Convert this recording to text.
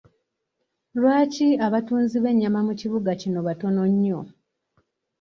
Lwaki abatunzi b'ennyama mu kibuga kino batono nnyo?